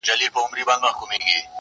داسي ژوند هم راځي تر ټولو عزتمن به يې.